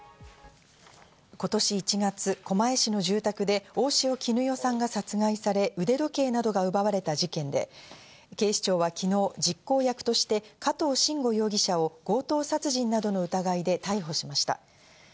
今年１月、狛江市の住宅で大塩衣与さんが殺害され、腕時計などが奪われた事件で、警視庁は昨日、実行役として加藤臣吾容疑者を強盗殺人などの疑いで逮捕しました。